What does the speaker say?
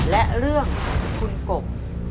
และเรื่องคุณกบ